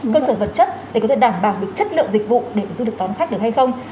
cơ sở vật chất để có thể đảm bảo được chất lượng dịch vụ để du lịch đón khách được hay không